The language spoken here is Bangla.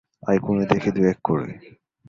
আয় গুনে দেখি এক-দুই করে!